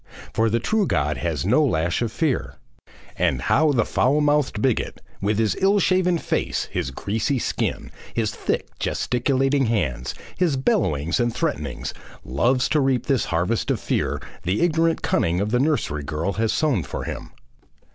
For the true God has no lash of fear. And how the foul minded bigot, with his ill shaven face, his greasy skin, his thick, gesticulating hands, his bellowings and threatenings, loves to reap this harvest of fear the ignorant cunning of the nursery girl has sown for him!